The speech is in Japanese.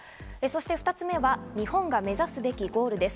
２つ目は日本が目指すべきゴールです。